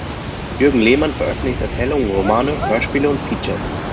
Jürgen Lehmann veröffentlichte Erzählungen und Romane, Hörspiele und Features.